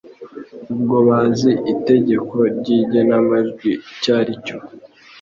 ubwo bazi itegeko ry igenamajwi icyaricyo